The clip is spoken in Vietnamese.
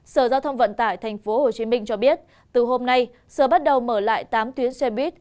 sở giao thông vận tải tp hcm cho biết từ hôm nay sở bắt đầu mở lại tám tuyến xe buýt